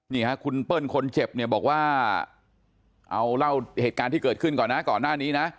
นี่ค่ะคุณเปิ้ลคนเจ็บเนี่ยบอกว่าเอาเล่าเหตุการณ์ที่เกิดขึ้นก่อนนะก่อนหน้านี้นะ